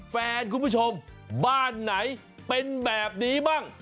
คุณผู้ชมบ้านไหนเป็นแบบนี้บ้าง